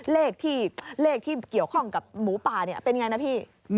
เลขที่เกี่ยวกับหมูป่าเป็นอย่างไรนะพี่